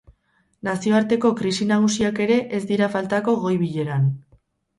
Nazioarteko krisi nagusiak ere ez dira faltako goi-bileran.